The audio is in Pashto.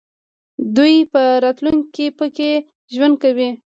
دوی په راتلونکي کې پکې ژوند کوي.